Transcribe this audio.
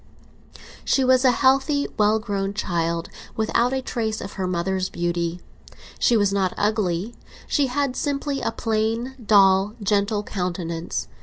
She was a healthy well grown child, without a trace of her mother's beauty. She was not ugly; she had simply a plain, dull, gentle countenance.